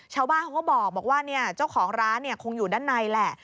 ชาวบ้านเขาก็บอกว่าเจ้าของร้านคงอยู่ด้านในแหละ